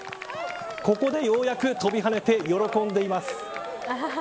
ここで、ようやく飛びはねて喜んでいます。